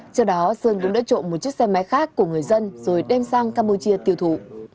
trước đó sơn cũng đã trộm một chiếc xe máy khác của người dân rồi đem sang campuchia tiêu thụ